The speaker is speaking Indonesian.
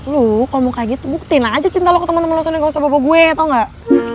lu kalo mau kayak gitu buktiin aja cinta lo ke temen temen lo sana gak usah bobo gue tau gak